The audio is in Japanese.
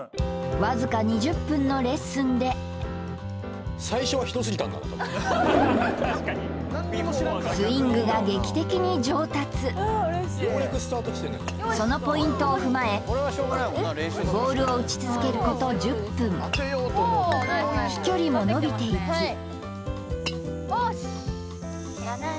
わずか２０分のレッスンでスイングが劇的に上達そのポイントを踏まえボールを打ち続けること１０分飛距離も伸びていきおしっ！